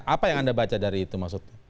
apa yang anda baca dari itu maksudnya